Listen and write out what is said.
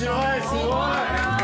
すごい。